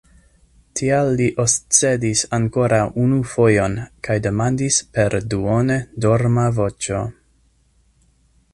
Tial li oscedis ankoraŭ unu fojon kaj demandis per duone dorma voĉo.